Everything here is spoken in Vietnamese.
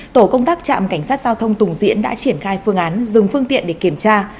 tổ công tác trạm cảnh sát giao thông tùng diễn đã triển khai phương án dừng phương tiện để kiểm tra